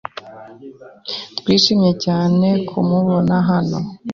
Twishimiye cyane kumubona hano.